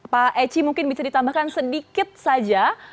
pak eci mungkin bisa ditambahkan sedikit saja